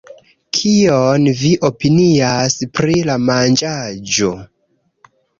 Kion vi opinias pri la manĝaĵo